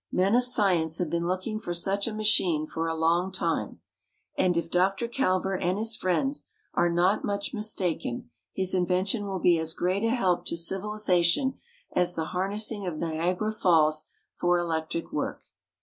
Men of science have been looking for such a machine for a long time, and if Dr. Calver and his friends are not much mistaken his invention will be as great a help to civilization as the harnessing of Niagara Falls for electric work.